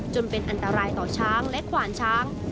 จนเป็นอันตรายต่อช้างและขวานช้าง